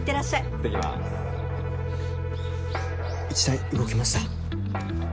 １対動きました。